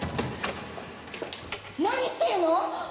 何してるの！？